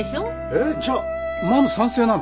えっじゃマム賛成なの？